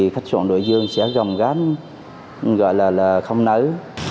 khách sạn đối dương sẽ gồng gắn gọi là không nấu